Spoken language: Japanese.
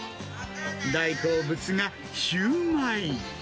大好物が、シューマイ。